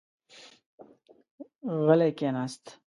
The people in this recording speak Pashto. غلی کېناست.